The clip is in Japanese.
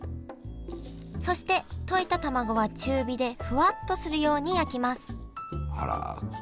そして溶いたたまごは中火でふわっとするように焼きますあら。